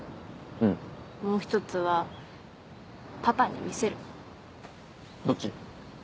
うんもう一つはパパにどっち？